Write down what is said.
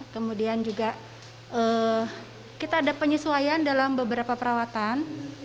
kemudian juga kita ada penyesuaian dalam beberapa perawatan